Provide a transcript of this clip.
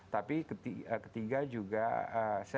tapi ketiga juga saya melihat yang buruk sekali dalam beberapa bulan tersebut